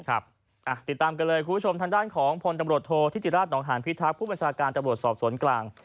ติดตามกันเลยคุณผู้ชมทางด้านของพลตำรวจโทษธิติราชหนองหานพิทักษ์ผู้บัญชาการตำรวจสอบสวนกลาง